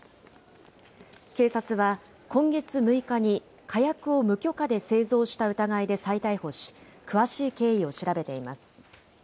警察は、今月６日に火薬を無許可で製造した疑いで再逮捕し、詳しい経緯を調べています。